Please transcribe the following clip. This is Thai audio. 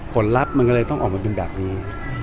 ผลลัพธ์มันก็เลยต้องออกมาเป็นแบบนี้